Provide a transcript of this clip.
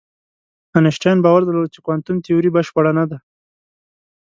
انشتین باور درلود چې کوانتم تیوري بشپړه نه ده.